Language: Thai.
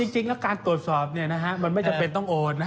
จริงแล้วการตรวจสอบมันไม่จำเป็นต้องโอนนะ